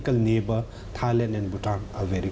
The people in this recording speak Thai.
คองกระบุไทยและบุตตาน